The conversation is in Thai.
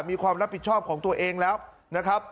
มีความรับผิดชอบของตัวเองแล้วนะครับ